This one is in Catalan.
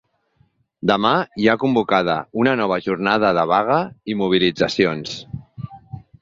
Demà hi ha convocada una nova jornada de vaga i mobilitzacions.